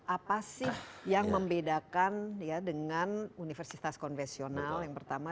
apa sih yang membedakan dengan universitas konvesional yang pertama